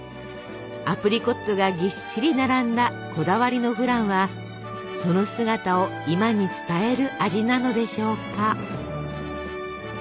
アプリコットがぎっしり並んだこだわりのフランはその姿を今に伝える味なのでしょうか。